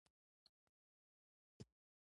ماسکو دې میدان ته ودانګل.